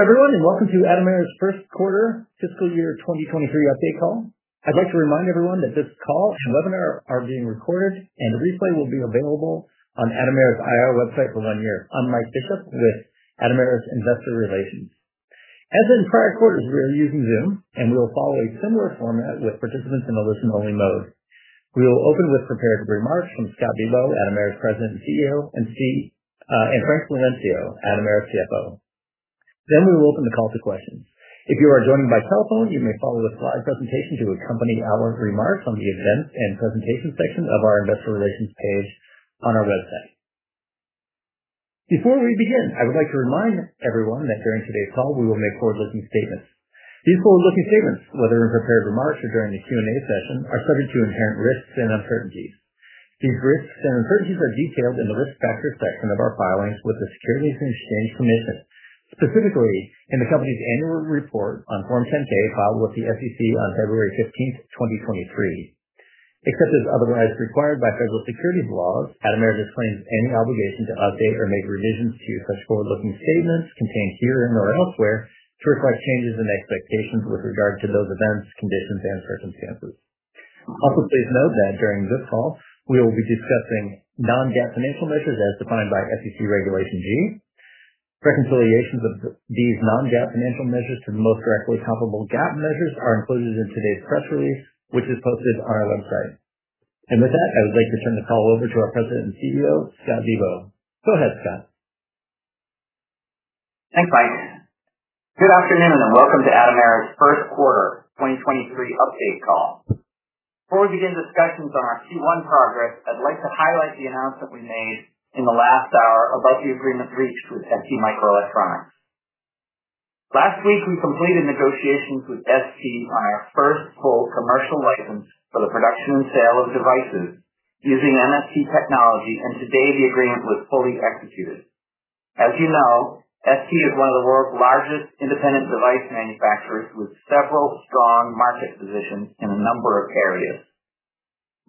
Hello everyone, welcome to Atomera's first quarter fiscal year 2023 update call. I'd like to remind everyone that this call and webinar are being recorded, and the replay will be available on Atomera's IR website for one year. I'm Mike Bishop with Atomera's Investor Relations. As in prior quarters, we are using Zoom, and we will follow a similar format with participants in listen-only mode. We will open with prepared remarks from Scott Bibaud, Atomera's President and CEO, and Frank Laurencio, Atomera's CFO. We will open the call to questions. If you are joining by telephone, you may follow the slide presentation to accompany our remarks on the events and presentations section of our investor relations page on our website. Before we begin, I would like to remind everyone that during today's call, we will make forward looking statements. These forward-looking statements, whether in prepared remarks or during the Q&A session, are subject to inherent risks and uncertainties. These risks and uncertainties are detailed in the risk factors section of our filings with the Securities and Exchange Commission. Specifically in the company's Annual Report on Form 10-K filed with the SEC on February 15, 2023. Except as otherwise required by federal securities laws, Atomera disclaims any obligation to update or make revisions to such forward-looking statements contained herein or elsewhere to reflect changes in expectations with regard to those events, conditions, and circumstances. Also, please note that during this call, we will be discussing non-GAAP financial measures as defined by SEC Regulation G. Reconciliations of these non-GAAP financial measures to the most directly comparable GAAP measures are included in today's press release, which is posted on our website. With that, I would like to turn the call over to our President and CEO, Scott Bibaud. Go ahead, Scott. Thanks, Mike. Good afternoon, and welcome to Atomera's first quarter 2023 update call. Before we begin discussions on our Q1 progress, I'd like to highlight the announcement we made in the last hour about the agreement reached with STMicroelectronics. Last week, we completed negotiations with ST on our first full commercial license for the production and sale of devices using MST technology, and today the agreement was fully executed. As you know, ST is one of the world's largest independent device manufacturers with several strong market positions in a number of areas.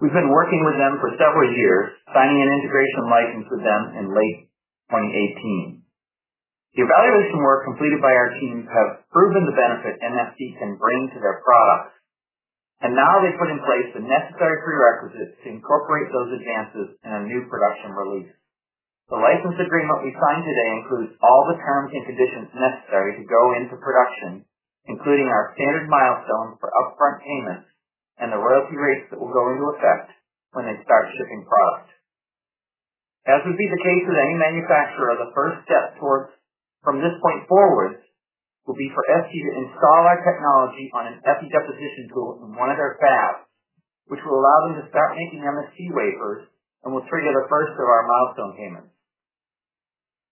We've been working with them for several years, signing an integration license with them in late 2018. The evaluation work completed by our teams have proven the benefit MST can bring to their products, and now they've put in place the necessary prerequisites to incorporate those advances in a new production release. The license agreement we signed today includes all the terms and conditions necessary to go into production, including our standard milestones for upfront payments and the royalty rates that will go into effect when they start shipping product. As would be the case with any manufacturer, the first step from this point forward will be for ST to install our technology on an epi deposition tool in one of their fabs, which will allow them to start making MST wafers, and will trigger the first of our milestone payments.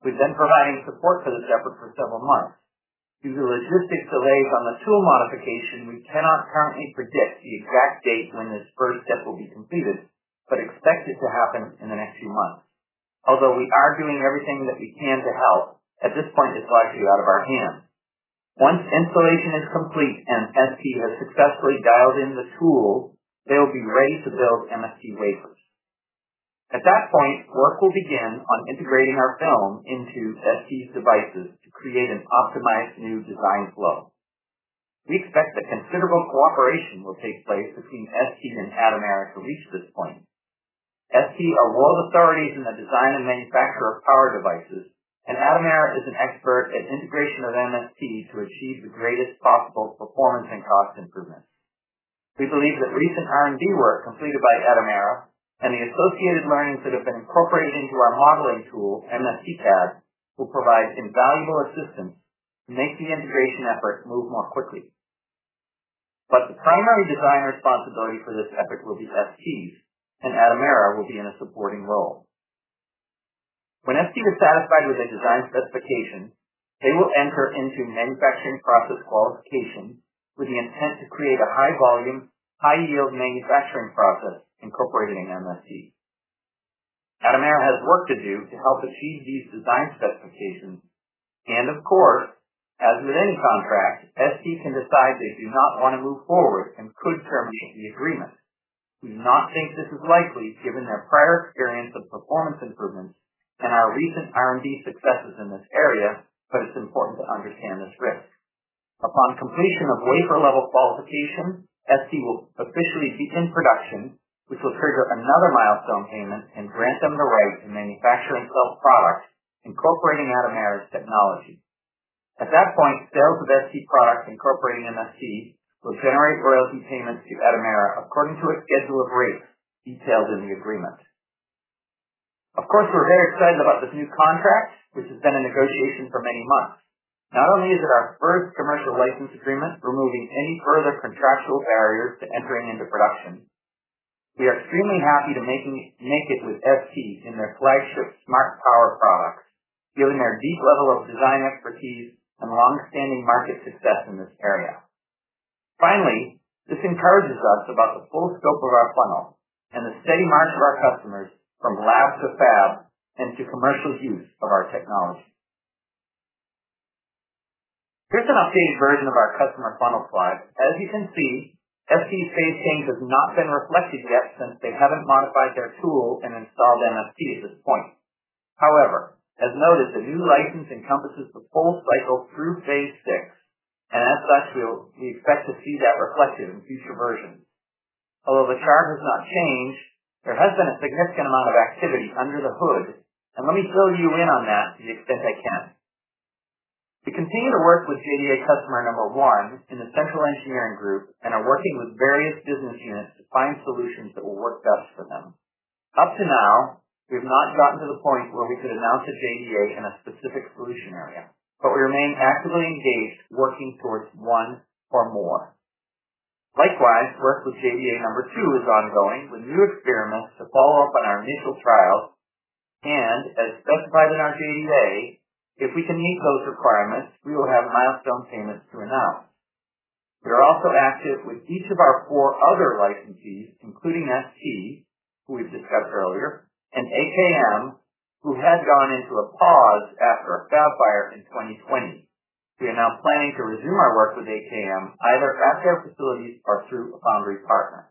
We've been providing support for this effort for several months. Due to logistics delays on the tool modification, we cannot currently predict the exact date when this first step will be completed, but expect it to happen in the next few months. We are doing everything that we can to help, at this point, it's largely out of our hands. Once installation is complete and ST has successfully dialed in the tool, they will be ready to build MST wafers. At that point, work will begin on integrating our film into ST's devices to create an optimized new design flow. We expect that considerable cooperation will take place between ST and Atomera to reach this point. ST are world authorities in the design and manufacture of power devices, and Atomera is an expert at integration of MST to achieve the greatest possible performance and cost improvements. We believe that recent R&D work completed by Atomera, and the associated learnings that have been incorporated into our modeling tool, MSTcad, will provide invaluable assistance to make the integration efforts move more quickly. The primary design responsibility for this effort will be ST's, and Atomera will be in a supporting role. When ST is satisfied with their design specifications, they will enter into manufacturing process qualification with the intent to create a high volume, high yield manufacturing process incorporating an MST. Atomera has work to do to help achieve these design specifications, and of course, as with any contract, ST can decide they do not want to move forward and could terminate the agreement. We do not think this is likely given their prior experience of performance improvements and our recent R&D successes in this area, but it's important to understand this risk. Upon completion of wafer level qualification, ST will officially be in production, which will trigger another milestone payment, and grant them the right to manufacture and sell products incorporating Atomera's technology. At that point, sales of ST products incorporating MST will generate royalty payments to Atomera according to a schedule of rates detailed in the agreement. Of course, we're very excited about this new contract, which has been in negotiation for many months. Not only is it our first commercial license agreement, removing any further contractual barriers to entering into production, we are extremely happy to make it with ST in their flagship smart power products, given their deep level of design expertise and long-standing market success in this area. Finally, this encourages us about the full scope of our funnel and the steady march of our customers from lab to fab, and to commercial use of our technology. Here's an updated version of our customer funnel slide. As you can see, ST's phase change has not been reflected yet since they haven't modified their tool and installed MST at this point. As noted, the new license encompasses the full cycle through phase VI, and as such, we expect to see that reflected in future versions. The chart has not changed, there has been a significant amount of activity under the hood, and let me fill you in on that to the extent I can. We continue to work with JDA customer number one in the central engineering group and are working with various business units to find solutions that will work best for them. Up to now, we have not gotten to the point where we could announce a JDA in a specific solution area, but we remain actively engaged, working towards one or more. Likewise, work with JDA number two is ongoing, with new experiments to follow up on our initial trials. As specified in our JDA, if we can meet those requirements, we will have milestone payments to announce. We are also active with each of our four other licensees, including ST, who we discussed earlier, and AKM, who had gone into a pause after a fab fire in 2020. We are now planning to resume our work with AKM, either at fab fire facilities or through a foundry partner.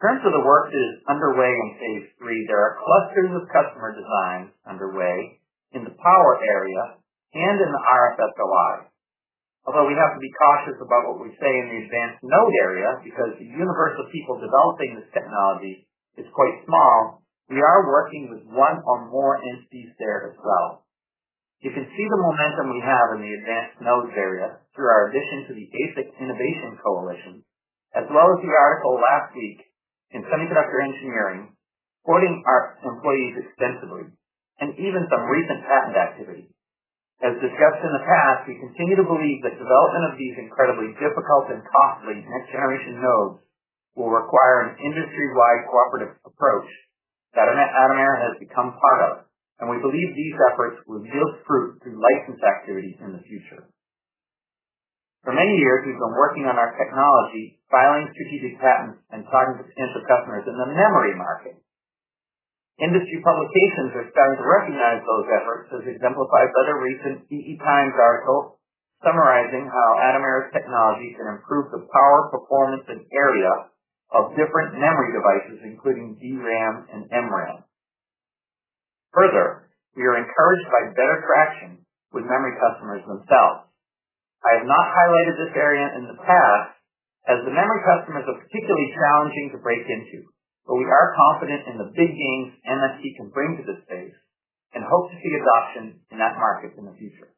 In terms of the work that is underway in phase III, there are clusters of customer designs underway in the power area and in the RF-SOI. Although we have to be cautious about what we say in the advanced node area because the universe of people developing this technology is quite small, we are working with one or more entities there as well. You can see the momentum we have in the advanced nodes area through our addition to the ASIC Innovation Coalition, as well as the article last week in Semiconductor Engineering, quoting our employees extensively and even some recent patent activity. As discussed in the past, we continue to believe that development of these incredibly difficult and costly next-generation nodes will require an industry-wide cooperative approach that Atomera has become part of, and we believe these efforts will yield fruit through license activity in the future. For many years, we've been working on our technology, filing strategic patents and talking to potential customers in the memory market. Industry publications are starting to recognize those efforts, as exemplified by the recent EE Times article summarizing how Atomera's technology can improve the power, performance, and area of different memory devices, including DRAM and MRAM. We are encouraged by better traction with memory customers themselves. I have not highlighted this area in the past, as the memory customers are particularly challenging to break into, but we are confident in the big gains MST can bring to this space and hope to see adoption in that market in the future.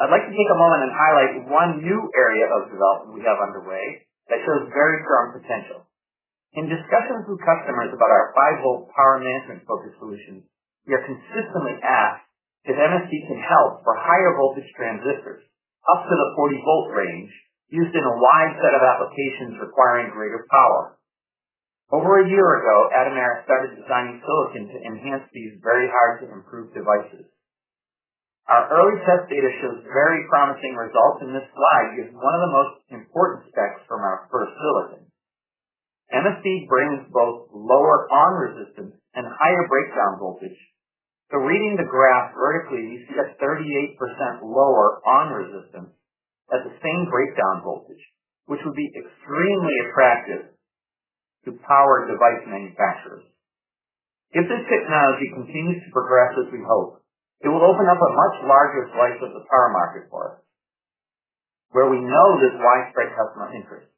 I'd like to take a moment and highlight one new area of development we have underway that shows very strong potential. In discussions with customers about our five-volt power management focus solutions, we are consistently asked if MST can help for higher voltage transistors up to the 40-volt range used in a wide set of applications requiring greater power. Over a year ago, Atomera started designing silicon to enhance these very hard to improve devices. Our early test data shows very promising results. This slide gives one of the most important specs from our first silicon. MST brings both lower on-resistance and higher breakdown voltage. Reading the graph vertically, you see a 38% lower on-resistance at the same breakdown voltage, which would be extremely attractive to power device manufacturers. If this technology continues to progress as we hope, it will open up a much larger slice of the power market for us, where we know there's widespread customer interest.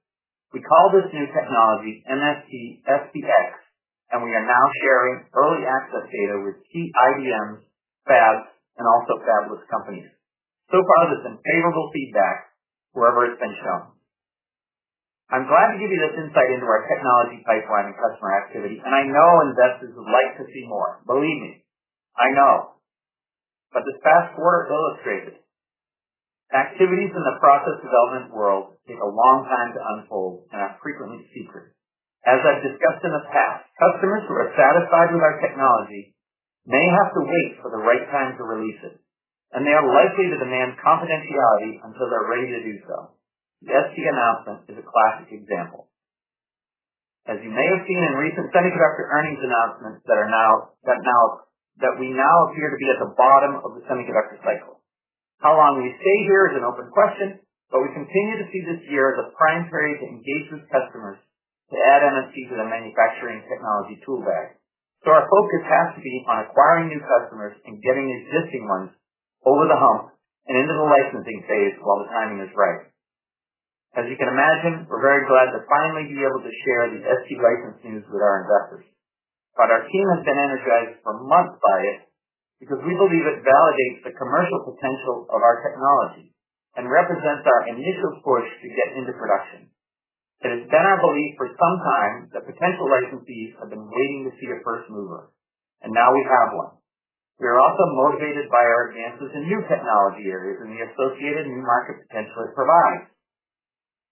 We call this new technology MST-SPX. We are now sharing early access data with key IDM fabs and also fabless companies. So far, there's been favorable feedback wherever it's been shown. I'm glad to give you this insight into our technology pipeline and customer activity, and I know investors would like to see more. Believe me, I know. As discussed and illustrated, activities in the process development world take a long time to unfold and are frequently secret. As I've discussed in the past, customers who are satisfied with our technology may have to wait for the right time to release it, and they are likely to demand confidentiality until they're ready to do so. The SP announcement is a classic example. As you may have seen in recent semiconductor earnings announcements that we now appear to be at the bottom of the semiconductor cycle. How long we stay here is an open question, but we continue to see this year as a prime period to engage with customers to add MST to their manufacturing technology tool bag. Our focus has to be on acquiring new customers and getting existing ones over the hump and into the licensing phase while the timing is right. As you can imagine, we're very glad to finally be able to share the SP license news with our investors. Our team has been energized for months by it because we believe it validates the commercial potential of our technology and represents our initial push to get into production. It has been our belief for some time that potential licensees have been waiting to see a first mover, and now we have one. We are also motivated by our advances in new technology areas and the associated new market potential it provides.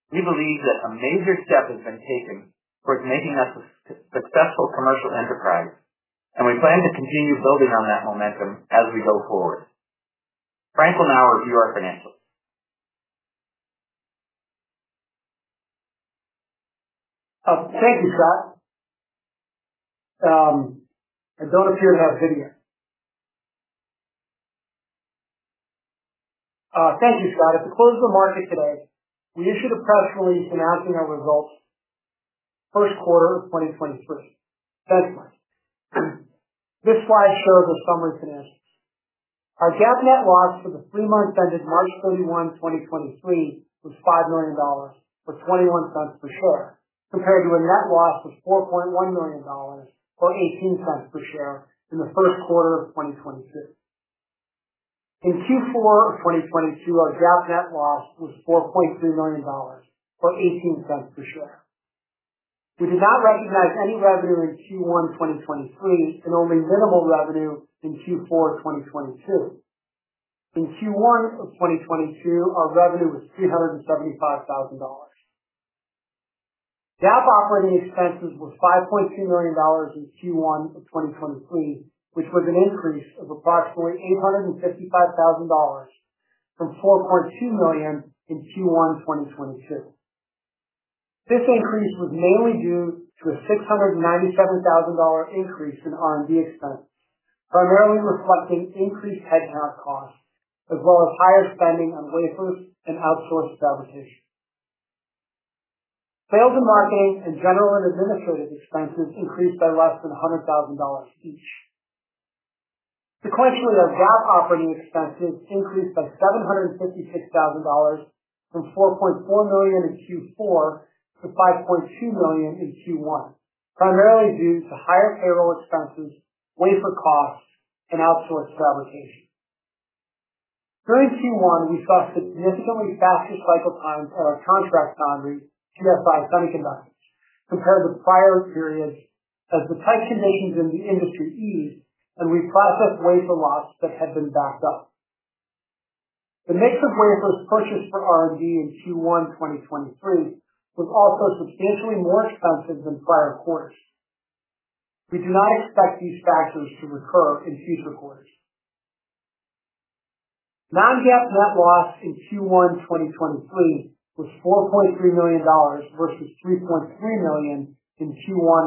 We believe that a major step has been taken towards making us a successful commercial enterprise. We plan to continue building on that momentum as we go forward. Frank will now review our financials. Thank you, Scott. And don't appear in our video. Thank you, Scott. At the close of the market today, we issued a press release announcing our results first quarter of 2023. Thanks, Frank. This slide shows our summary financials. Our GAAP net loss for the three months ended March 31, 2023 was $5 million, or $0.21 per share, compared to a net loss of $4.1 million or $0.18 per share in the first quarter of 2022. In Q4 of 2022, our GAAP net loss was $4.3 million or $0.18 per share. We did not recognize any revenue in Q1 2023 and only minimal revenue in Q4 2022. In Q1 of 2022 our revenue was $375,000. GAAP operating expenses was $5.2 million in Q1 of 2023, which was an increase of approximately $855,000 from $4.2 million in Q1 2022. This increase was mainly due to a $697,000 increase in R&D expense, primarily reflecting increased head count costs as well as higher spending on wafers and outsourced fabrication. Sales and marketing and general and administrative expenses increased by less than $100,000 each. Subsequently, our GAAP operating expenses increased by $756,000 from $4.4 million in Q4 to $5.2 million in Q1, primarily due to higher payroll expenses, wafer costs and outsourced fabrication. During Q1, we saw significantly faster cycle time for our contract foundry, TSI Semiconductors, compared to prior periods as the tight conditions in the industry eased and we processed wafer lots that had been backed up. The mix of wafers purchased for R&D in Q1 2023 was also substantially more expensive than prior quarters. We do not expect these factors to recur in future quarters. Non-GAAP net loss in Q1 2023 was $4.3 million versus $3.3 million in Q1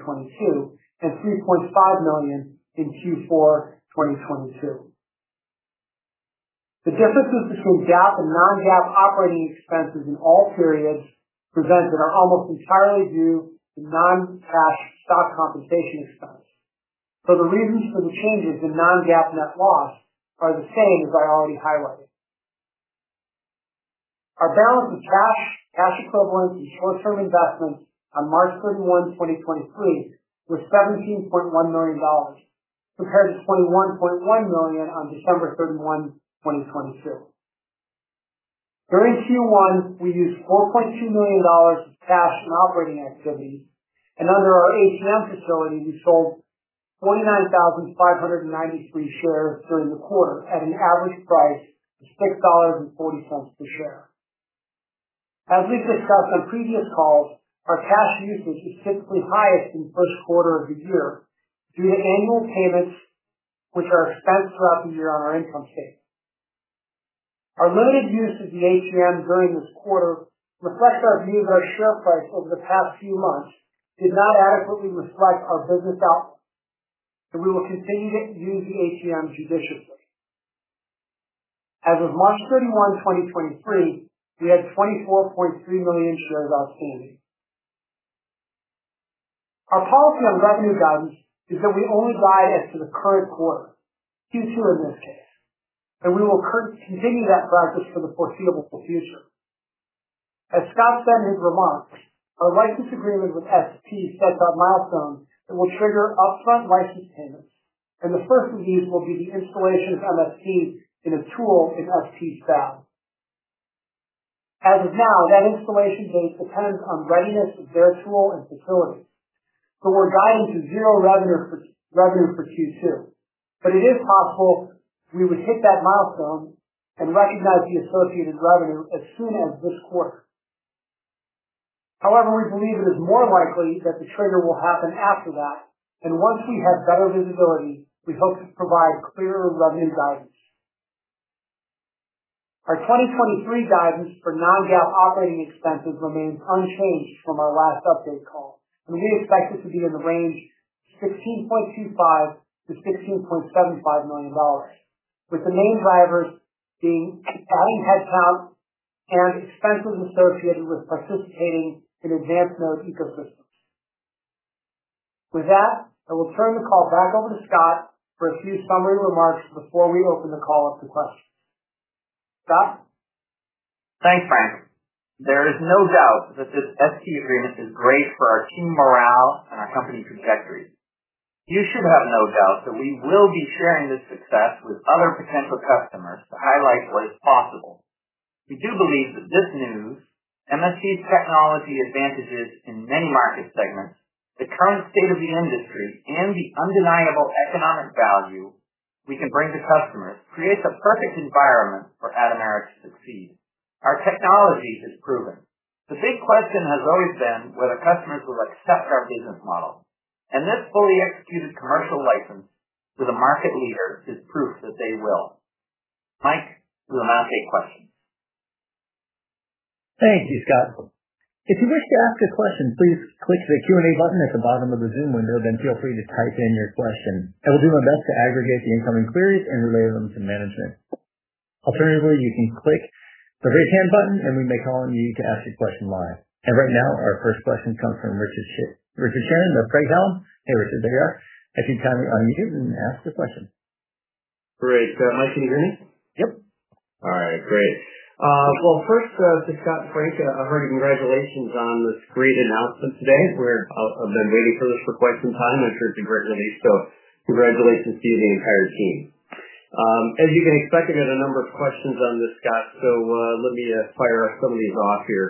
2022 and $3.5 million in Q4 2022. The differences between GAAP and non-GAAP operating expenses in all periods presented are almost entirely due to non-cash stock compensation expense. The reasons for the changes in non-GAAP net loss are the same as I already highlighted. Our balance of cash equivalents and short-term investments on March 31, 2023 were $17.1 million compared to $21.1 million on December 31, 2022. During Q1, we used $4.2 million of cash from operating activities and under our ATM facility we sold 29,593 shares during the quarter at an average price of $6.40 per share. As we've discussed on previous calls, our cash usage is typically highest in the first quarter of the year due to annual payments which are expensed throughout the year on our income statement. Our limited use of the ATM during this quarter reflects our view that our share price over the past few months did not adequately reflect our business outlook, and we will continue to use the ATM judiciously. As of March 31, 2023, we had $24.3 million shares outstanding. Our policy on revenue guidance is that we only guide as to the current quarter, Q2 in this case, and we will continue that practice for the foreseeable future. As Scott said in his remarks, our license agreement with ST starts at milestones that will trigger upfront license payments, and the first of these will be the installation of MST in a tool in ST's fab. As of now, that installation date depends on readiness of their tool and facilities, but we're guiding to $0 revenue for Q2. It is possible we would hit that milestone and recognize the associated revenue as soon as this quarter. We believe it is more likely that the trigger will happen after that. Once we have better visibility, we hope to provide clearer revenue guidance. Our 2023 guidance for non-GAAP operating expenses remains unchanged from our last update call. We expect it to be in the range of $16.25 million-$16.75 million, with the main drivers being adding headcount and expenses associated with participating in advanced node ecosystems. I will turn the call back over to Scott for a few summary remarks before we open the call up to questions. Scott? Thanks, Frank. There is no doubt that this ST agreement is great for our team morale and our company trajectory. You should have no doubt that we will be sharing this success with other potential customers to highlight what is possible. We do believe that this news, MST's technology advantages in many market segments, the current state of the industry and the undeniable economic value we can bring to customers creates a perfect environment for Atomera to succeed. Our technology is proven. The big question has always been whether customers will accept our business model, and this fully executed commercial license to the market leader is proof that they will. Mike, we have a question. Thank you, Scott. If you wish to ask a question, please click the Q&A button at the bottom of the Zoom window, then feel free to type in your question. I will do my best to aggregate the incoming queries and relay them to management. Alternatively, you can click the Raise Hand button and we may call on you to ask a question live. Right now our first question comes from Richard Shannon of Craig-Hallum. Hey, Richard. There you are. If you'd kindly unmute and ask the question. Great. Mike, can you hear me? Yep. All right. Great. Well, first, to Scott Frank, I heard congratulations on this great announcement today. I've been waiting for this for quite some time. I'm sure it's been great for me, so congratulations to you and the entire team. As you can expect, I have a number of questions on this, Scott, so let me fire some of these off here.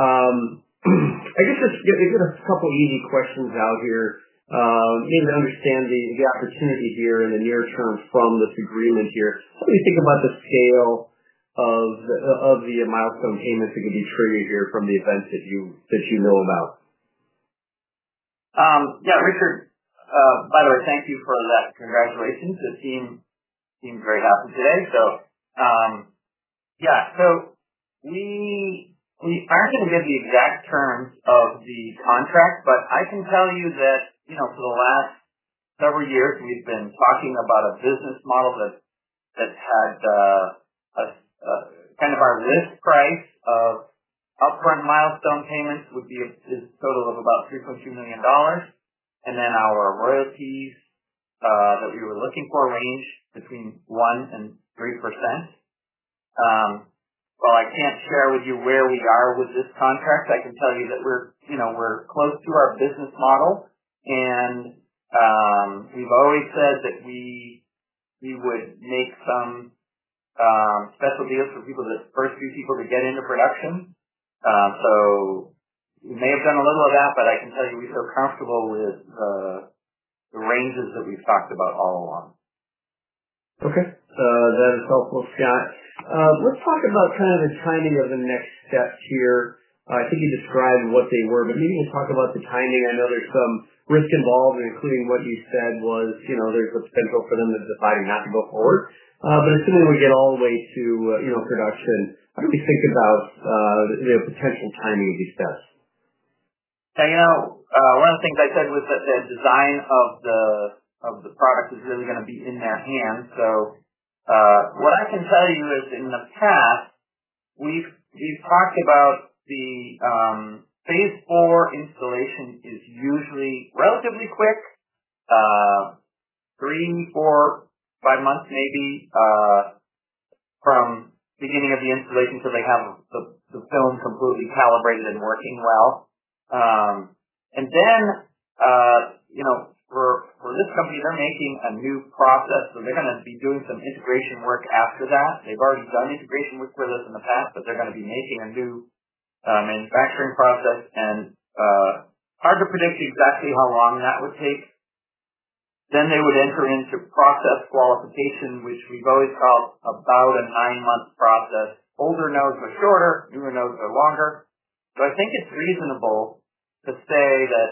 I guess just to get a couple easy questions out here, in understanding the opportunity here in the near term from this agreement here, what do you think about the scale of the milestone payments that could be triggered here from the events that you know about? Yeah, Richard, by the way, thank you for that. Congratulations. The team seems very happy today. Yeah. We aren't going to give the exact terms of the contract, but I can tell you that, you know, for the last several years, we've been talking about a business model that had kind of our list price of upfront milestone payments would be $3.2 million. Our royalties that we were looking for range between 1% and 3%. While I can't share with you where we are with this contract, I can tell you that we're, you know, we're close to our business model. We've always said that we would make some special deals for people, the first few people to get into production. we may have done a little of that, but I can tell you we feel comfortable with the ranges that we've talked about all along. Okay. That is helpful, Scott. Let's talk about kind of the timing of the next steps here. I think you described what they were, but maybe you can talk about the timing. I know there's some risk involved, including what you said was, you know, there's a potential for them to decide not to go forward. Assuming we get all the way to, you know, production, what do we think about, the potential timing of these steps? I know one of the things I said was that the design of the product is really gonna be in their hands. What I can tell you is, in the past, we've talked about the phase IV installation is usually relatively quick, three, four, five months maybe, from beginning of the installation till they have the film completely calibrated and working well. You know, for this company, they're making a new process, so they're gonna be doing some integration work after that. They've already done integration work with us in the past, but they're gonna be making a new manufacturing process. Hard to predict exactly how long that would take. They would enter into process qualification, which we've always called about a nine-month process. Older nodes are shorter, newer nodes are longer. I think it's reasonable to say that,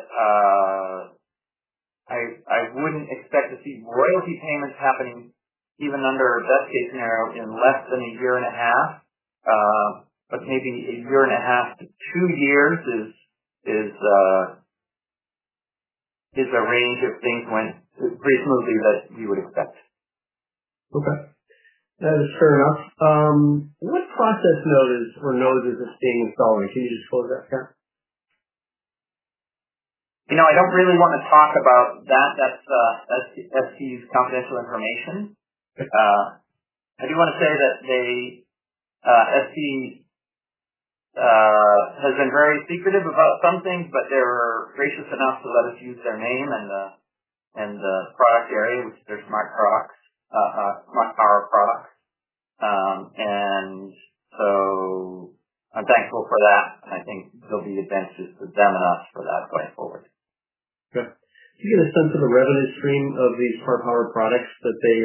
I wouldn't expect to see royalty payments happening even under a best case scenario in less than a year and a half. Maybe a year and a half to two years is a range if things went pretty smoothly that you would expect. Okay. That is fair enough. What process node is or nodes is this being installed in? Can you just close that, Scott? You know, I don't really want to talk about that. That's ST's confidential information. Okay. I do want to say that they, ST has been very secretive about some things, but they were gracious enough to let us use their name and the product area, which is their smart products, smart power products. I'm thankful for that. I think there'll be advantages to them and us for that going forward. Okay. Do you get a sense of the revenue stream of these Smart Power products that they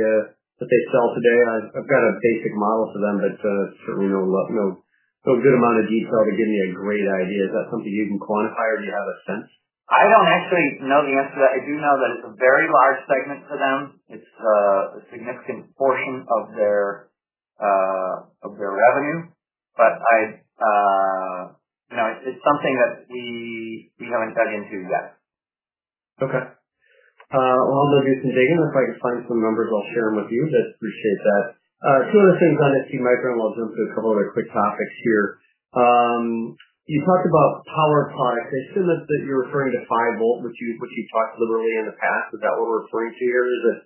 that they sell today? I've got a basic model for them, certainly no good amount of detail to give me a great idea. Is that something you can quantify or do you have a sense? I don't actually know the answer to that. I do know that it's a very large segment for them. It's a significant portion of their revenue. I, you know, it's something that we haven't dug into yet. Okay. Well, I'll go do some digging, and if I can find some numbers, I'll share them with you. Appreciate that. Two other things on STMicro, and we'll jump to a couple other quick topics here. You talked about power products. I assume that you're referring to five volt, which you talked literally in the past. Is that what we're referring to here? Is it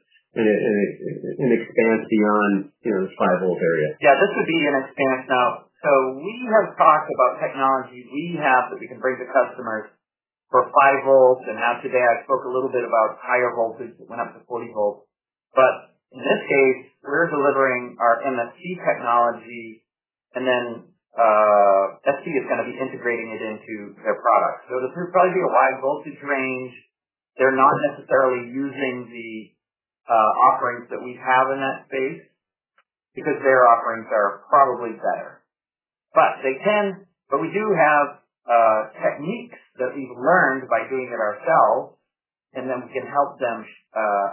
an expanse beyond, you know, this five-volt area? Yeah, this would be an expanse. We have talked about technologies we have that we can bring to customers for five volts. Today I spoke a little bit about higher voltage that went up to 40 volts. In this case, we're delivering our MST technology, ST is gonna be integrating it into their products. This would probably be a wide voltage range. They're not necessarily using the offerings that we have in that space because their offerings are probably better. They can. We do have techniques that we've learned by doing it ourselves, we can help them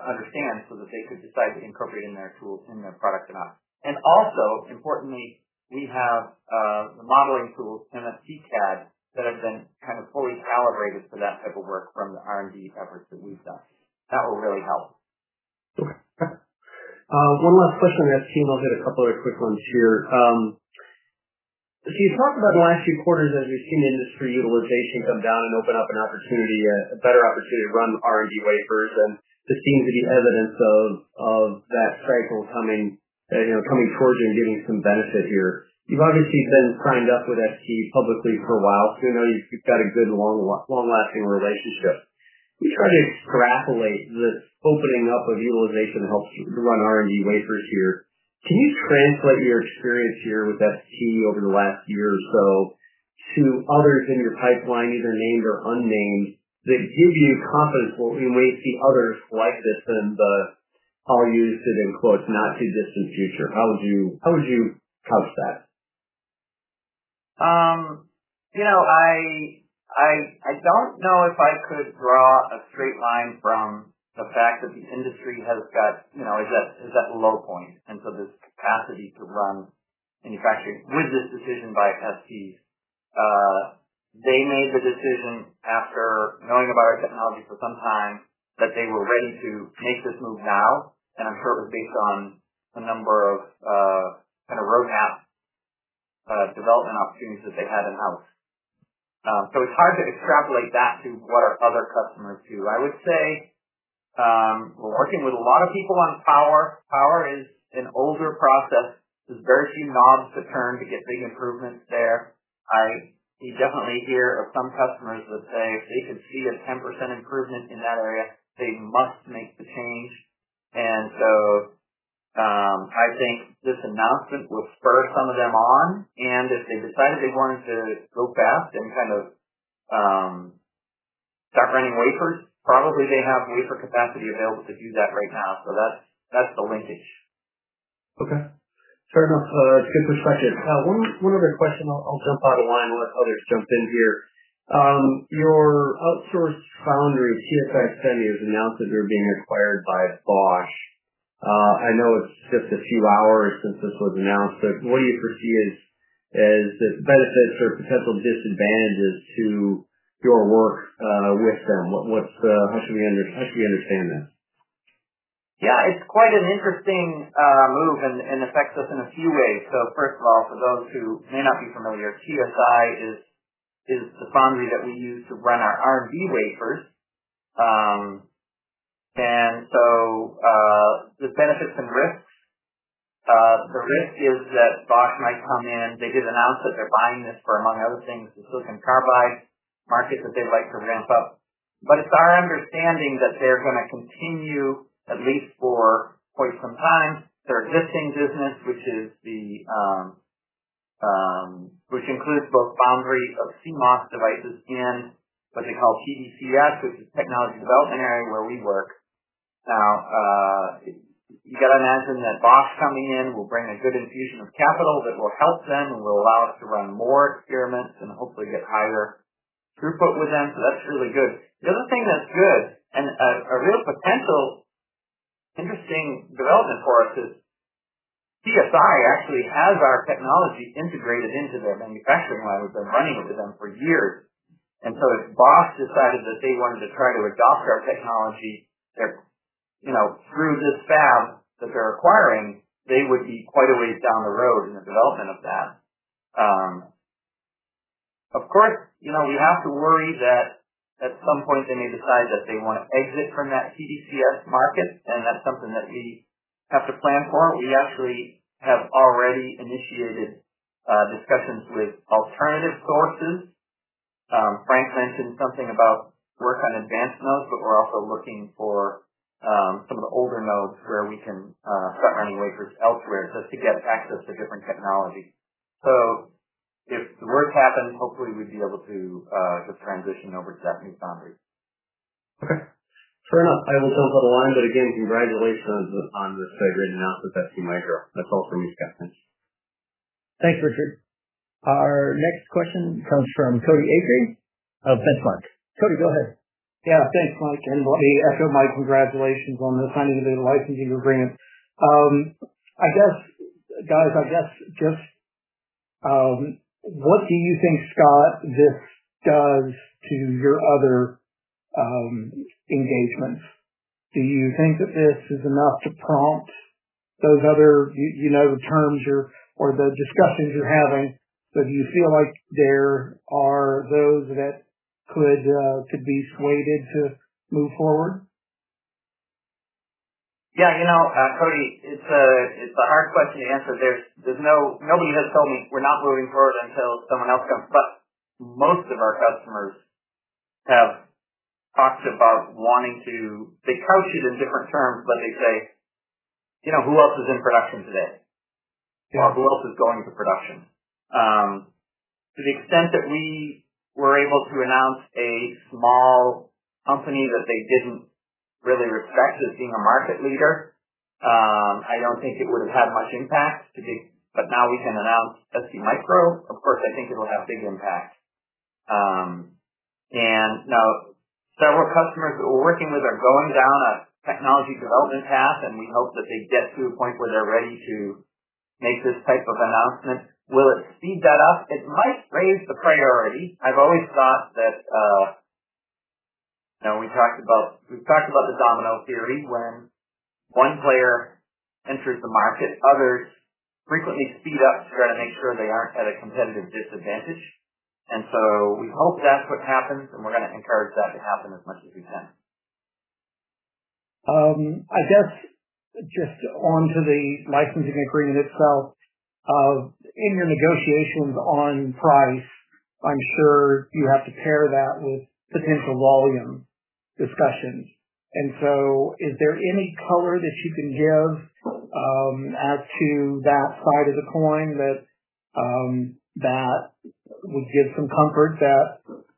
understand so that they could decide to incorporate in their tools, in their product or not. Also importantly, we have the modeling tools in our TCAD that have been kind of fully calibrated to that type of work from the R&D efforts that we've done. That will really help. Okay. One last question I have, Scott, and I'll hit a couple of quick ones here. So you talked about the last few quarters as we've seen industry utilization come down and open up an opportunity, a better opportunity to run R&D wafers. There seems to be evidence of that cycle coming, you know, coming towards you and giving some benefit here. You've obviously been signed up with ST publicly for a while. We know you've got a good long lasting relationship. We try to extrapolate the opening up of utilization helps to run R&D wafers here. Can you translate your experience here with ST over the last year or so to others in your pipeline, either named or unnamed, that give you confidence that we may see others like this in the how you use it in quotes, "not too distant future." How would you couch that? You know, I don't know if I could draw a straight line from the fact that the industry is at a low point, there's capacity to run manufacturing with this decision by ST. They made the decision after knowing about our technology for some time that they were ready to make this move now. I'm sure it was based on a number of kind of roadmap development opportunities that they had in-house. It's hard to extrapolate that to what our other customers do. I would say, we're working with a lot of people on power. Power is an older process. There's very few knobs to turn to get big improvements there. You definitely hear of some customers that say if they could see a 10% improvement in that area, they must make the change. I think this announcement will spur some of them on. If they decided they wanted to go fast and kind of, start running wafers, probably they have wafer capacity available to do that right now. That's the linkage. Okay. Fair enough. It's good perspective. One other question. I'll jump out of line and let others jump in here. Your outsourced foundry, TSI Semi, has announced that they're being acquired by Bosch. I know it's just a few hours since this was announced, but what do you perceive as the benefits or potential disadvantages to your work with them? What, what's, how should we understand that? Yeah, it's quite an interesting move and affects us in a few ways. First of all, for those who may not be familiar, TSI Semiconductors is the foundry that we use to run our R&D wafers. There's benefits and risks. The risk is that Bosch might come in. They did announce that they're buying this for, among other things, the silicon carbide market that they'd like to ramp up. It's our understanding that they're gonna continue, at least for quite some time, their existing business, which is the, which includes both foundry of CMOS devices and what they call TDCS, which is technology development area where we work. Now, you got to imagine that Bosch coming in will bring a good infusion of capital that will help them and will allow us to run more experiments and hopefully get higher throughput with them. That's really good. The other thing that's good and a real potential interesting development for us is TSI actually has our technology integrated into their manufacturing line. We've been running with them for years. If Bosch decided that they wanted to try to adopt our technology, they're, you know, through this fab that they're acquiring, they would be quite a ways down the road in the development of that. Of course, you know, you have to worry that at some point they may decide that they want to exit from that TDCS market, and that's something that we have to plan for. We actually have already initiated discussions with alternative sources. Frank mentioned something about work on advanced nodes, but we're also looking for some of the older nodes where we can start running wafers elsewhere just to get access to different technology. If the worst happens, hopefully we'd be able to just transition over to that new foundry. Okay. Fair enough. I will jump on the line, but again, congratulations on this big announcement with ST. That's all from me, Scott. Thanks. Thanks, Richard. Our next question comes from Cody Acree of Benchmark. Cody, go ahead. Thanks, Mike, let me echo my congratulations on the signing of the licensing agreement. I guess, guys, just what do you think, Scott, this does to your other engagements? Do you think that this is enough to prompt those other, you know, terms or the discussions you're having? Do you feel like there are those that could be persuaded to move forward? Yeah. You know, Cody, it's a hard question to answer. Nobody has told me we're not moving forward until someone else comes. Most of our customers have talked about wanting to. They coach it in different terms, but they say, "You know, who else is in production today?" You know, "Who else is going to production?" To the extent that we were able to announce a small company that they didn't really respect as being a market leader, I don't think it would have had much impact. Now we can announce STMicro. Of course, I think it will have big impact. Now several customers that we're working with are going down a technology development path, and we hope that they get to a point where they're ready to make this type of announcement. Will it speed that up? It might raise the priority. I've always thought that, you know, we've talked about the domino theory. When one player enters the market, others frequently speed up to try to make sure they aren't at a competitive disadvantage. We hope that's what happens. We're gonna encourage that to happen as much as we can. I guess just onto the licensing agreement itself. In your negotiations on price, I'm sure you have to pair that with potential volume discussions. Is there any color that you can give as to that side of the coin that would give some comfort that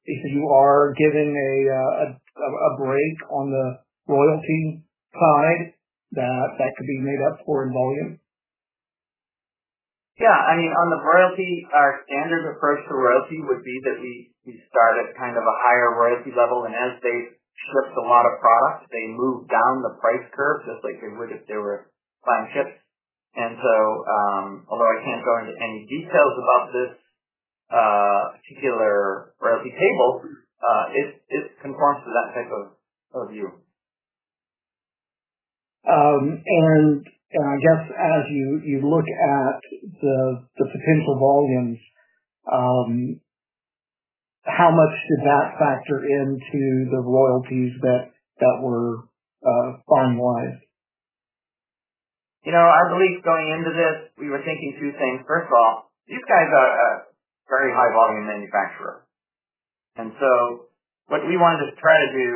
if you are giving a break on the royalty side, that that could be made up for in volume? Yeah. I mean, on the royalty, our standard approach to royalty would be that we start at kind of a higher royalty level. As they ship a lot of products, they move down the price curve just like they would if they were buying chips. Although I can't go into any details about this particular royalty table, it conforms to that type of view. I guess as you look at the potential volumes, how much did that factor into the royalties that were finalized? You know, I believe going into this we were thinking two things. First of all, these guys are a very high volume manufacturer. What we wanted to try to do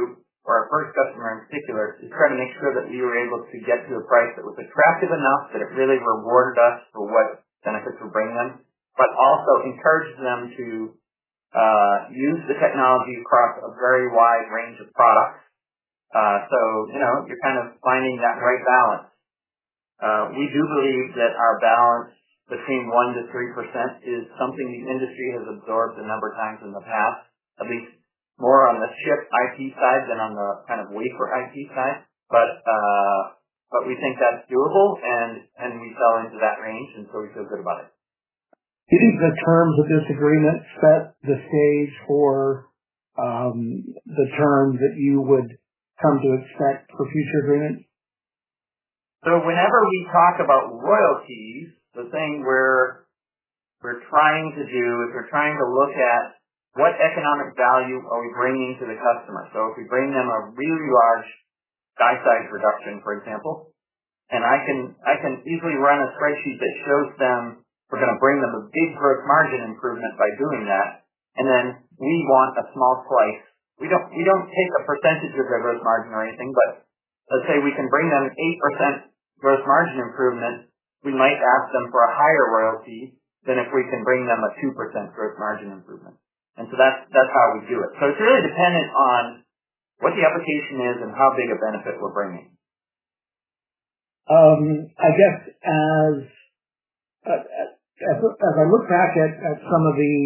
for our first customer in particular, is try to make sure that we were able to get to a price that was attractive enough that it really rewarded us for what benefits we're bringing them, but also encouraged them to use the technology across a very wide range of products. You know, you're kind of finding that right balance. We do believe that our balance between 1%-3% is something the industry has absorbed a number of times in the past, at least more on the chip IP side than on the kind of wafer IP side. But we think that's doable and we fell into that range, and so we feel good about it. Do you think the terms of this agreement set the stage for the terms that you would come to expect for future agreements? Whenever we talk about royalties, the thing we're trying to do is we're trying to look at what economic value are we bringing to the customer. If we bring them a really large die size reduction, for example, I can easily run a spreadsheet that shows them we're gonna bring them a big gross margin improvement by doing that. Then we want a small slice. We don't take a percentage of their gross margin or anything. Let's say we can bring them an 8% gross margin improvement, we might ask them for a higher royalty than if we can bring them a 2% gross margin improvement. That's how we do it. It's really dependent on what the application is and how big a benefit we're bringing. I guess as I look back at some of the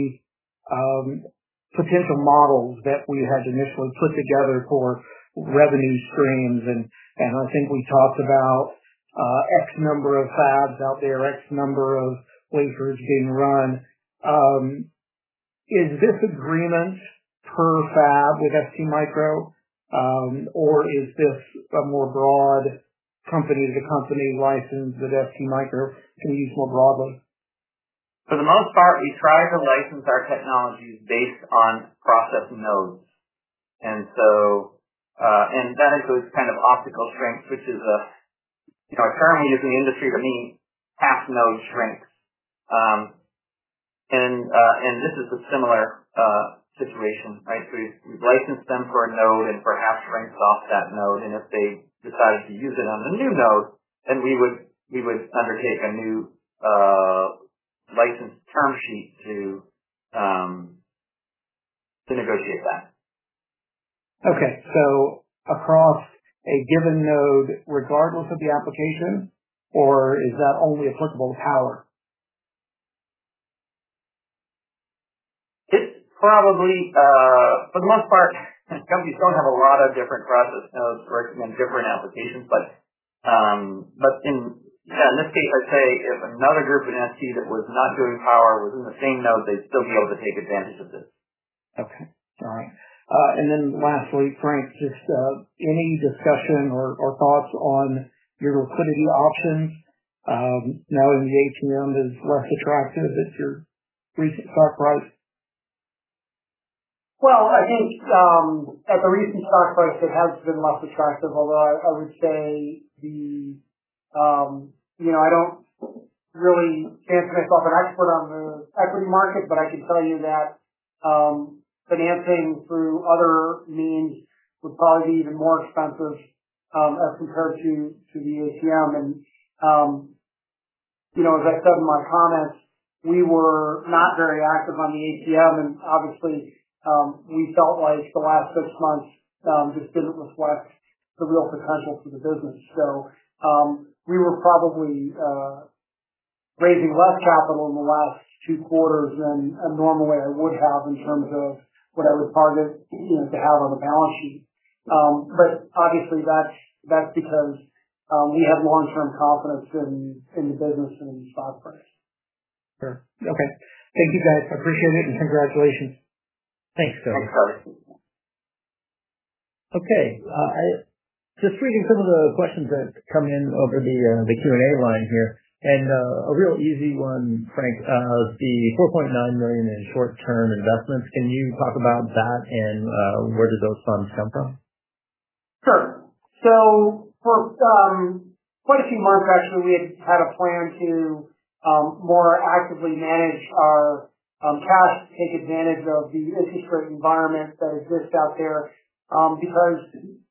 potential models that we had initially put together for revenue streams and I think we talked about X number of fabs out there, X number of wafers being run. Is this agreement per fab with STMicro? Is this a more broad company to company license that STMicro can use more broadly? For the most part, we try to license our technologies based on process nodes. That includes kind of optical shrinks, which is a, you know, a term we use in the industry to mean half node shrinks. This is a similar situation, right? We've licensed them for a node and for half shrinks off that node. If they decided to use it on the new node, then we would undertake a new license term sheet to negotiate that. Okay. across a given node, regardless of the application, or is that only applicable to power? It's probably, for the most part, companies don't have a lot of different process nodes working in different applications. In, in this case, let's say if another group in ST that was not doing power was in the same node, they'd still be able to take advantage of this. Okay. All right. Lastly, Frank, just any discussion or thoughts on your liquidity options, now that the ATM is less attractive at your recent stock price? Well, I think, at the recent stock price it has been less attractive. I would say the, you know, I don't really fancy myself an expert on the equity market. I can tell you that Financing through other means would probably be even more expensive as compared to the ATM. You know, as I said in my comments, we were not very active on the ATM. Obviously, we felt like the last six months just didn't reflect the real potential for the business. We were probably raising less capital in the last two quarters than normally I would have in terms of what I would target, you know, to have on the balance sheet. Obviously that's because we have long-term confidence in the business and in the stock price. Sure. Okay. Thank you, guys. Appreciate it and congratulations. Thanks, Billy. Okay. Just reading some of the questions that come in over the Q&A line here. A real easy one, Frank. The $4.9 million in short-term investments, can you talk about that and where did those funds come from? Sure. For some quite a few months, actually, we had had a plan to more actively manage our cash to take advantage of the interest rate environment that exists out there. Because,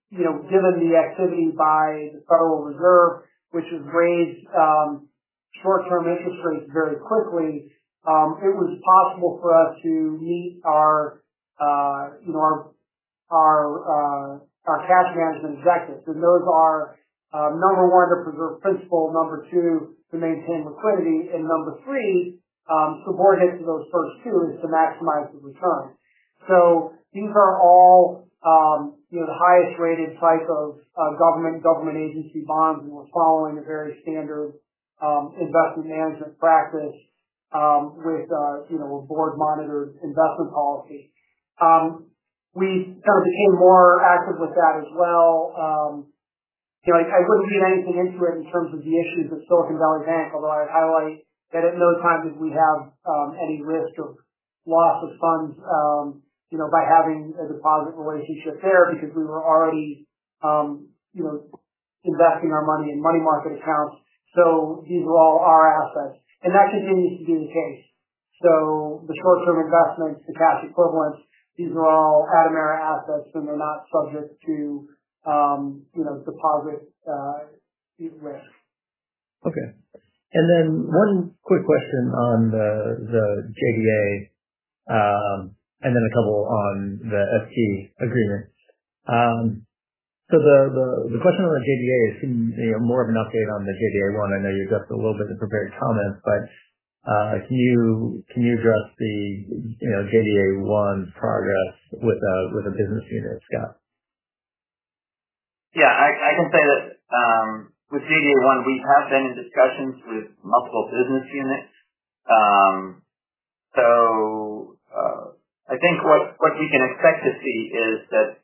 you know, given the activity by the Federal Reserve, which has raised short-term interest rates very quickly, it was possible for us to meet our, you know, our cash management objectives. Those are, number one, to preserve principle. Number two, to maintain liquidity. Number three, subordinate to those first two, is to maximize the return. These are all, you know, the highest rated type of government agency bonds. We're following a very standard investment management practice with a, you know, a board monitored investment policy. We kind of became more active with that as well. You know, I wouldn't read anything into it in terms of the issues with Silicon Valley Bank, although I'd highlight that at no time did we have any risk or loss of funds, you know, by having a deposit relationship there because we were already, you know, investing our money in money market accounts. These are all our assets and that continues to be the case. The short-term investments, the cash equivalents, these are all Atomera assets and they're not subject to, you know, deposit risk. Okay. One quick question on the JDA, and then a couple on the ST agreement. The question on the JDA is, you know, more of an update on the JDA one. I know you addressed it a little bit in the prepared comments, but can you address the, you know, JDA one progress with a business unit, Scott? Yeah. I can say that, with JDA one we have been in discussions with multiple business units. I think what you can expect to see is that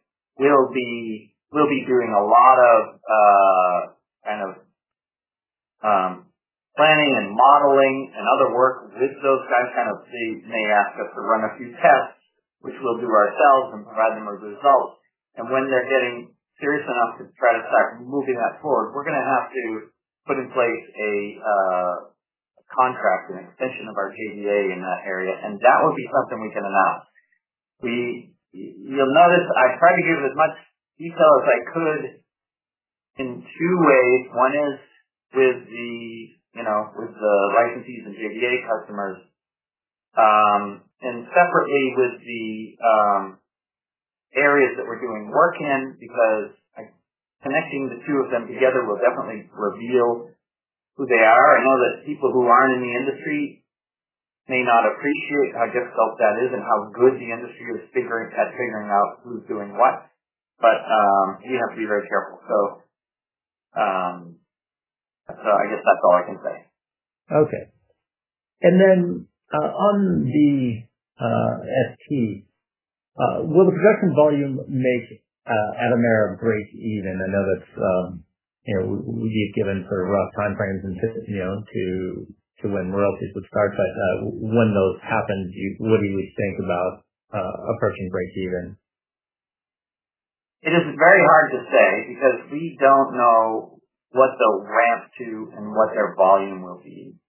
we'll be doing a lot of kind of planning and modeling and other work with those guys, kind of the same aspects to run a few tests, which we'll do ourselves and provide them with results. When they're getting serious enough to try to start moving that forward, we're gonna have to put in place a contract, an extension of our JDA in that area. That would be something we can announce. You'll notice I tried to give as much detail as I could in two ways. One is with the, you know, with the licensees and JDA customers, separately with the areas that we're doing work in because connecting the two of them together will definitely reveal who they are. I know that people who aren't in the industry may not appreciate how difficult that is and how good the industry is figuring out who's doing what. You have to be very careful. I guess that's all I can say. Okay. Then, on the ST, will the production volume make Atomera break even? I know that's, you know, we gave guidance for rough timeframes in this, you know, to when royalties would start. When those happen, what do you think about approaching breakeven? It is very hard to say because we don't know what the ramp to and what their volume will be.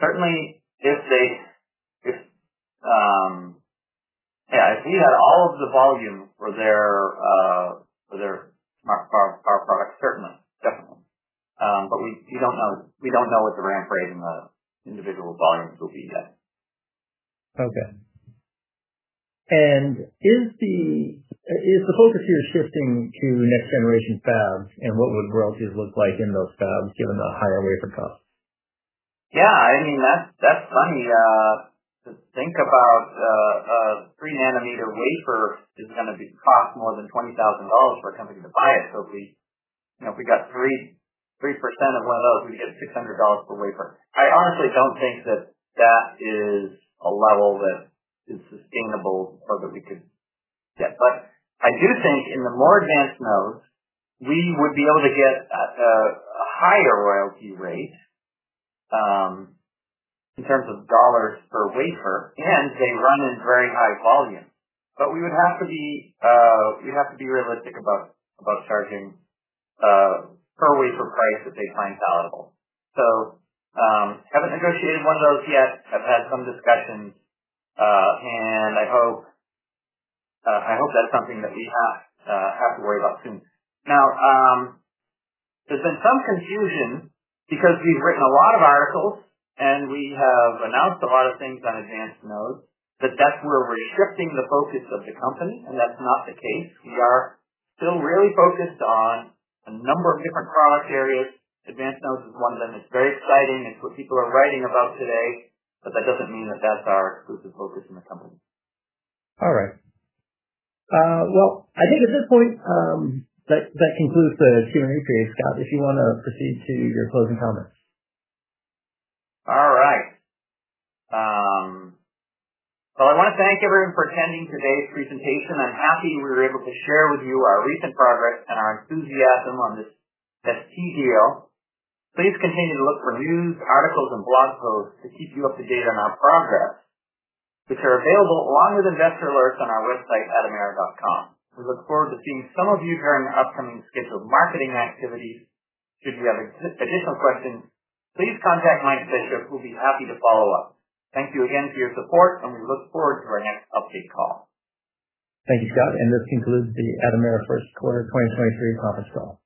Certainly if they. Yeah, if we had all of the volume for their our products, certainly. Definitely. We don't know. We don't know what the ramp rate and the individual volumes will be yet. Okay. Is the focus here shifting to next generation fabs and what would royalties look like in those fabs given the higher wafer costs? Yeah, I mean, that's funny to think about a three nanometer wafer is gonna be cost more than $20,000 for a company to buy it. If we, you know, if we got 3% of one of those, we get $600 per wafer. I honestly don't think that that is a level that is sustainable or that we could get. I do think in the more advanced nodes, we would be able to get a higher royalty rate in terms of dollars per wafer. They run in very high volume. We would have to be realistic about charging per wafer price that they find valuable. Haven't negotiated one of those yet. I've had some discussions, and I hope, I hope that's something that we not have to worry about soon. Now, there's been some confusion because we've written a lot of articles and we have announced a lot of things on advanced nodes, that that's where we're shifting the focus of the company, and that's not the case. We are still really focused on a number of different product areas. Advanced nodes is one of them. It's very exciting. It's what people are writing about today. That doesn't mean that that's our exclusive focus in the company. All right. Well, I think at this point, that concludes the Q&A period. Scott, if you wanna proceed to your closing comments. All right. Well, I want to thank everyone for attending today's presentation. I'm happy we were able to share with you our recent progress and our enthusiasm on this ST deal. Please continue to look for news, articles and blog posts to keep you up to date on our progress, which are available along with investor alerts on our website at atomera.com. We look forward to seeing some of you during the upcoming scheduled marketing activities. Should you have additional questions, please contact Mike Bishop, who'll be happy to follow up. Thank you again for your support, we look forward to our next update call. Thank you, Scott. This concludes the Atomera first quarter 2023 conference call.